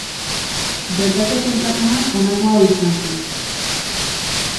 Bertako sailkapena honako hau izan zen.